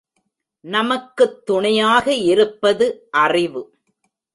நமக்குத் துணையாக இருப்பது அறிவு.